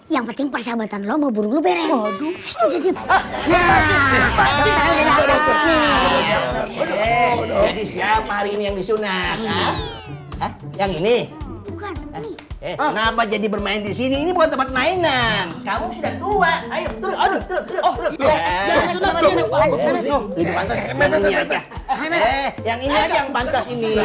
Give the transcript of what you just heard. yang ini enggak jadi bermain di sini buat mainan kamu sudah tua